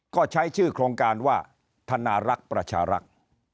ก็ใช้ชื่อโครงการว่าธนารักษ์ประชารักษ์